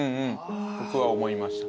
僕は思いました。